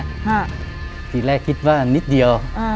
อเรนนี่ตีแรกคิดว่านิดเดียว